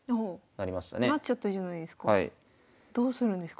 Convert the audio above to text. なっちゃったじゃないですか。